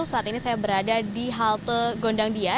saat ini saya berada di halte gondangdia